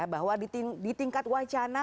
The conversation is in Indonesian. bahwa di tingkat wacana